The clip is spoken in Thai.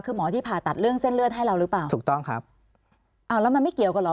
คือหมอที่ผ่าตัดเรื่องเส้นเลือดให้เราหรือเปล่าถูกต้องครับอ้าวแล้วมันไม่เกี่ยวกันเหรอ